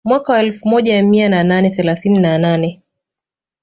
Mwaka wa elfu moja mia nane themanini na nane